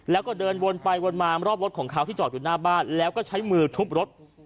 แล้วก็เดินวนไปวนมารอบรถของเขาที่จอดอยู่หน้าบ้านแล้วก็ใช้มือทุบรถ